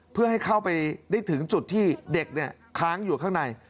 เพื่อให้เข้าไปได้ถึงจุดที่เด็กค้างอยู่ข้างใน